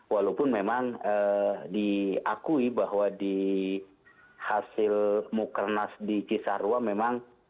walaupun memang diakui bahwa di hasil mukernas di cisarua memang